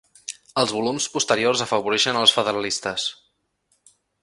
Els volums posteriors afavoreixen els federalistes.